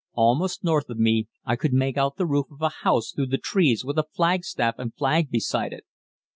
Almost north of me I could make out the roof of a house through the trees with a flagstaff and flag beside it.